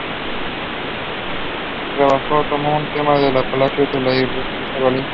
El trabajo tomó como tema el palacio de los Iturriza en Valencia.